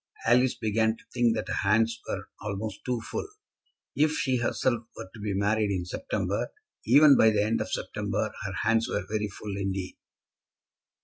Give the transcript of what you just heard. Alice began to think that her hands were almost too full. If she herself were to be married in September, even by the end of September, her hands were very full indeed.